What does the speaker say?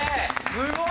すごい！